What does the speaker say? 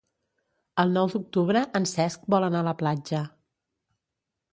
El nou d'octubre en Cesc vol anar a la platja.